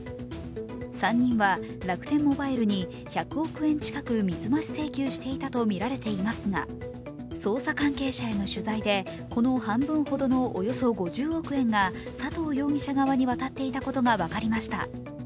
３人は楽天モバイルに１００億円近く水増し請求していたとみられていますが捜査関係者への取材でこの半分ほどのおよそ５０億円が佐藤容疑者側に渡っていたことが分かりました。